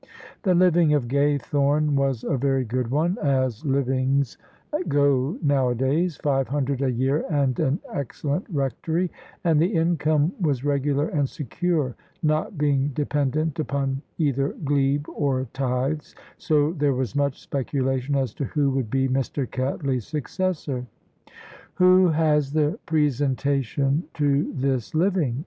The living of Gaythorne was a very good one, as livings [i86] OF ISABEL CARNABY go nowadays; five hundred a year and an excellent rectory: and the income was regular and secure, not being dependent upon either glebe or tithes: so there was much speculation as to who would be Mr. Cattley's successor. "Who has the presentation to this living?"